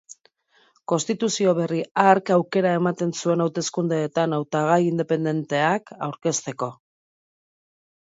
Konstituzio berri hark aukera ematen zuen hauteskundeetan hautagai independenteak aurkezteko.